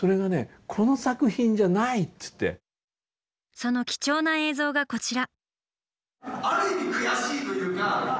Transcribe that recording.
その貴重な映像がこちら。